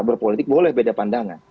berpolitik boleh beda pandangan